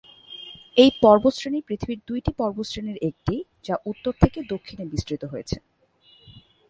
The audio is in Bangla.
এই পর্বতশ্রেণী পৃথিবীর দুইটি পর্বতশ্রেণীর একটি যা উত্তর থেকে দক্ষিণে বিস্তৃত হয়েছে।